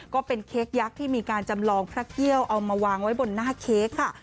ก็เป็นเค้กยักษ์ที่มีการจำลองพระเกี่ยวเอามาวางไว้บนหน้าเค้กค่ะ